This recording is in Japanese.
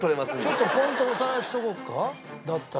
ちょっとポイントおさらいしておこうかだったら。